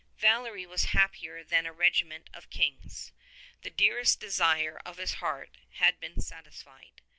Valery was happier than a regiment of Kings. The dearest desire of his heart had been satisfied.